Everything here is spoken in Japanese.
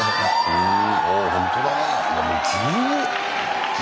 うん。